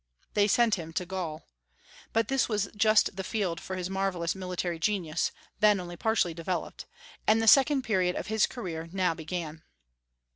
They sent him to Gaul. But this was just the field for his marvellous military genius, then only partially developed; and the second period of his career now began.